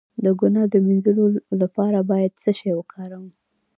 د ګناه د مینځلو لپاره باید څه شی وکاروم؟